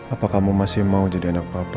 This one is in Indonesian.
apa kamu masih mau jadi anak papa